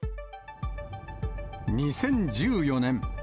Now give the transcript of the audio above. ２０１４年。